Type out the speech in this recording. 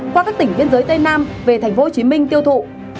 qua các tỉnh biên giới tây nam về tp hcm tiêu thụ